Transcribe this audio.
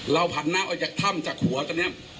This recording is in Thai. เราผ่านหน้าออกจากถ้ำจากหัวตัวเนี่ย